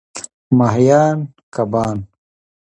ماهیان √ کبان